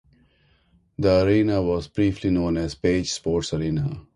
The arena was briefly known as Paige Sports Arena.